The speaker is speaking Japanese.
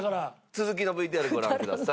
続きのＶＴＲご覧ください。